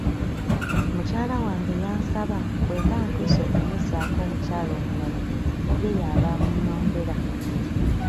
Mukyala wange yansaba bwe mba ntuuse okumuzzaako omukyala omulala ye y’aba amunnondera.